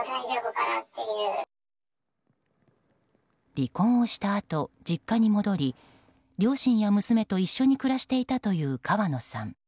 離婚をしたあと実家に戻り両親や娘と一緒に暮らしていたという川野さん。